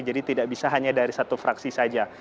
jadi tidak bisa hanya dari satu fraksi saja